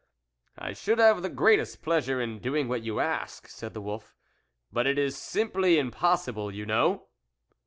" I should have the greatest pleasure in doing what you ask," said the wolf, " but it is simply impossible, you know."